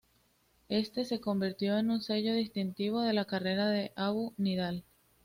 Este se convirtió en un sello distintivo de la carrera de Abu Nidal.